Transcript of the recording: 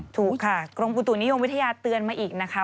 ถูกค่ะกรมอุตุนิยมวิทยาเตือนมาอีกนะคะ